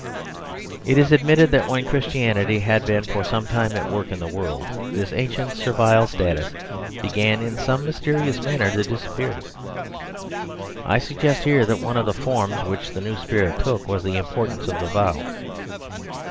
It is admitted that when Christianity had been for some time at work in the world, this ancient servile status began in some mysteri ous manner to disappear. I suggest here that one of the forms which the new spirit took was the importance of the vow.